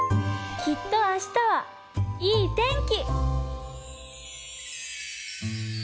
「きっと明日はいい天気」